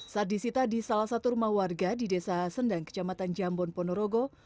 saat disita di salah satu rumah warga di desa sendang kecamatan jambon ponorogo